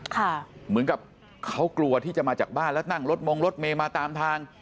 เหมือนกับเขากลัวที่จะมาจากบ้านแล้วนั่งรถมงรถเมย์มาตามทาง